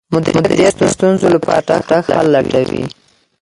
مدیریت د ستونزو لپاره چټک حل لټوي.